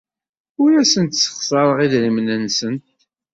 Ur asent-ssexṣareɣ idrimen-nsent.